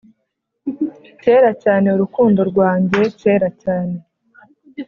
kera cyane, urukundo rwanjye, kera cyane.